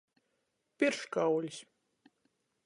Pirškauļs.